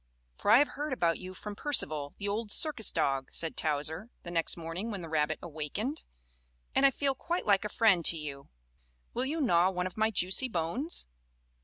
"For I have heard about you from Percival, the old circus dog," said Towser, the next morning when the rabbit awakened, "and I feel quite like a friend to you. Will you gnaw one of my juicy bones?"